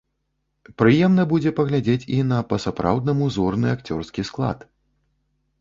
Прыемна будзе паглядзець і на па-сапраўднаму зорны акцёрскі склад.